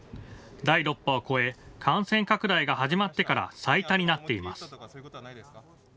第６波を超え、感染拡大が始まってから最多になっています。